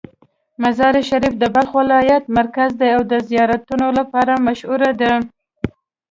مزار شریف د بلخ ولایت مرکز دی او د زیارتونو لپاره مشهوره ده.